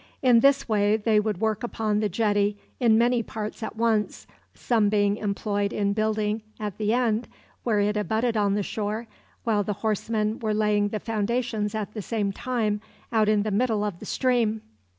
In this way they could work upon the jetty in many parts at once, some being employed in building at the end where it abutted on the shore, while the horsemen were laying the foundations at the same time out in the middle of the stream.